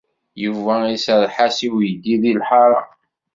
Yuba iserreḥ-as i uydi deg lḥaṛa.